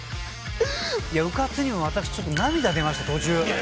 いやうかつにも私ちょっと涙出ました途中。